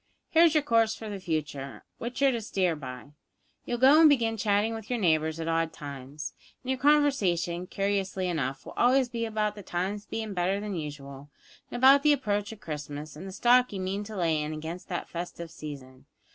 Here's your course for the future, which you're to steer by. You'll go an' begin chatting with your neighbours at odd times, and your conversation, curiously enough, will always be about the times bein' better than usual, an' about the approach of Christmas, an' the stock you mean to lay in against that festive season.